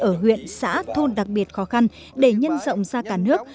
ở huyện xã thôn đặc biệt khó khăn để nhân rộng ra cả nước